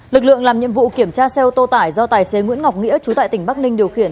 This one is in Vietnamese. lực lượng làm nhiệm vụ kiểm tra xe ô tô tải do tài xế nguyễn ngọc nghĩa chú tại tỉnh bắc ninh điều khiển